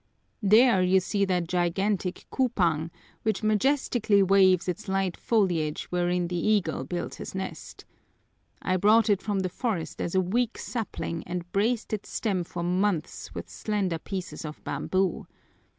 There you see that gigantic kupang, which majestically waves its light foliage wherein the eagle builds his nest. I brought it from the forest as a weak sapling and braced its stem for months with slender pieces of bamboo.